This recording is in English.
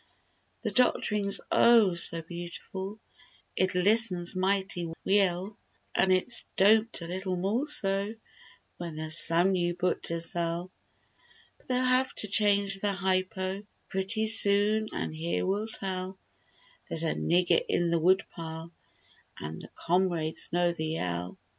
The doctrine's O, so beautiful— "It listens mighty w'eill," An' it's doped a little more so When there's some new book to sell— But they'll have to change their hypo' Pretty soon, an' here we'll tell— There's a "nigger in the woodpile" An' the "comrades" know the yell.